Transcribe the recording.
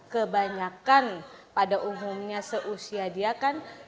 kebanyakan pada umumnya seusia dia kan